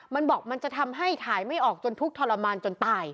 มันบอกมันจะทำให้ขายไม่ออกจนทุกข์ทรมานจนตาย